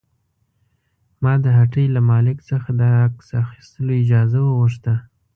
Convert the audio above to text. ما د هټۍ له مالک څخه د عکس اخیستلو اجازه وغوښته.